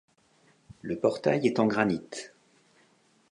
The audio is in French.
Le portail est en granit.